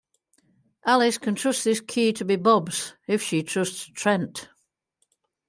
Alice can trust this key to be Bob's if she trusts Trent.